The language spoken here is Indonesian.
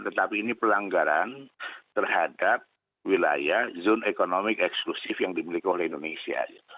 tetapi ini pelanggaran terhadap wilayah zone ekonomi eksklusif yang dimiliki oleh indonesia